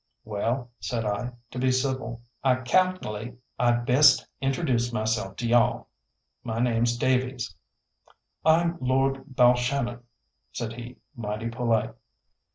"Well," said I, to be civil, "I cal'late I'd best introduce myself to you all. My name's Davies." "I'm Lord Balshannon," said he, mighty polite.